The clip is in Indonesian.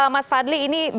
mas fadli ini berikutnya